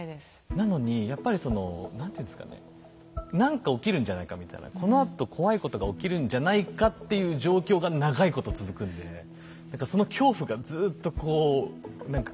なのにやっぱりその何ていうんですかね何か起きるんじゃないかみたいなこのあと怖いことが起きるんじゃないかっていう状況が長いこと続くんで何かその恐怖がずっとこう何か心をギュッてしてる状態のまま。